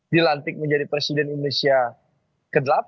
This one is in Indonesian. dilantik menjadi presiden indonesia ke delapan